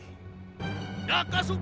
jangan lepaskan kasian tersebut